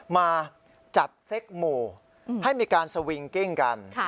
มาจัดเซ็กหมู่ให้มีการสวิงกิ้งกัน